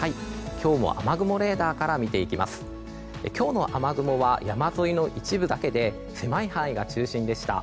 今日の雨雲は山沿いの一部だけで狭い範囲が中心でした。